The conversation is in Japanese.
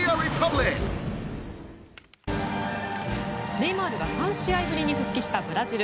ネイマールが３試合ぶりに復帰したブラジル。